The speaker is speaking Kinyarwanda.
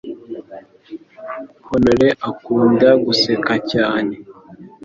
Honore akunda guseka cyane